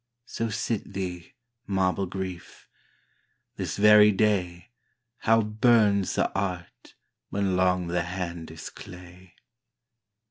So sit thee, marble Grief ! this very day How burns the art when long the hand is clay